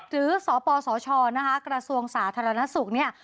สปสชนะคะกระทรวงสาธารณสุขเนี่ย